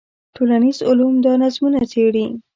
ټولنیز علوم دا نظمونه څېړي.